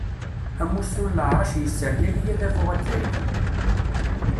Amussu n leɛrac yessergagi adabu azzayri.